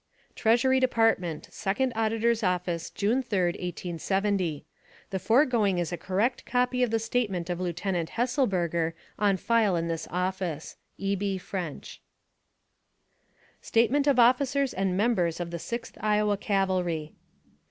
TREASURY DEPARTMENT, Second Auditor's Office, June 3, 1870. The foregoing is a correct copy of the statement of Lieutenant Hesselberger on file in this office. E. B. FRENCH. 24 282 NARRATIVE OF CAPTIVITY STATEMENT OF OFFICERS AND MEMBERS OF THE SIXTH IOWA CAVALRY.